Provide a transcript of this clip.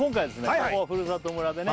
ここふるさと村でね